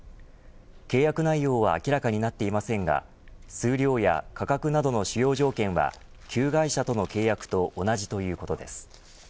契約内容は明らかになっていませんが数量や価格などの主要条件は旧会社との契約と同じということです。